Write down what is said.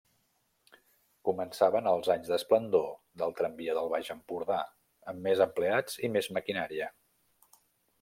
Començaven els anys d'esplendor del Tramvia del Baix Empordà, amb més empleats i més maquinària.